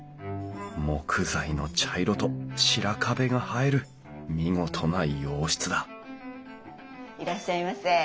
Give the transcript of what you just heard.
木材の茶色と白壁が映える見事な洋室だいらっしゃいませ。